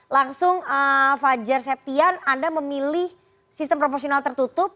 langsung fajar septian anda memilih sistem proporsional tertutup